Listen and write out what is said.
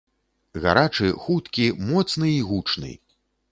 Гарачы, хуткі, моцны і гучны!!